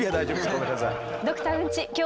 ごめんなさい。